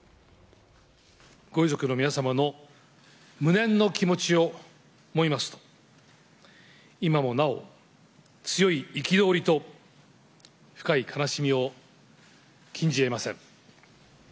ご遺族の皆様の無念の気持ちを思いますと、今もなお強い憤りと深い悲しみを禁じえません。